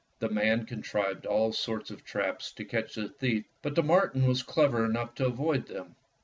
The man contrived all sorts of traps to catch the thief, but the marten was clever enough to avoid them.